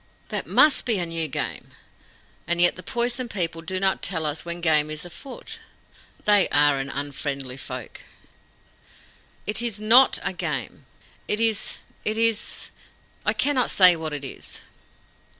'" "That MUST be new game. And yet the Poison People do not tell us when game is afoot. They are an unfriendly folk." "It is NOT game. It is it is I cannot say what it is."